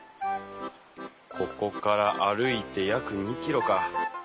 ここから歩いて約２キロか。